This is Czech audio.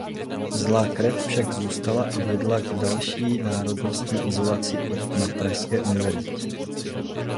Zlá krev však zůstala a vedla k další národnostní izolaci i na pražské univerzitě.